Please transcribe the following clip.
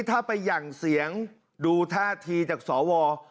ถ้าไปหยั่งเสียงดูท่าทีจากสว